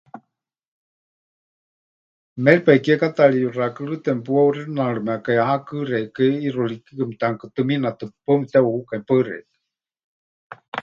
Méripai kiekátaari yuxakɨrɨ́te mepuhauxinarɨmekai hakɨ xeikɨ́a ʼixuurikikɨ meteʼanukutɨminatɨ, paɨ mepɨteʼuhukai. Paɨ xeikɨ́a.